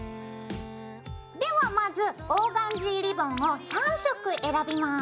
ではまずオーガンジーリボンを３色選びます。